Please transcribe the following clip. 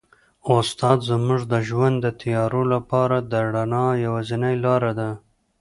استاد زموږ د ژوند د تیارو لپاره د رڼا یوازینۍ لاره ده.